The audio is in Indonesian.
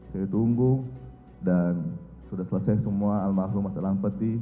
saya tunggu dan sudah selesai semua almat rumah dalam peti